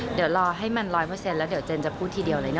เดี๋ยวรอให้มันร้อยเปอร์เซ็นต์แล้วเดี๋ยวเจนจะพูดทีเดียวเลยเนอะ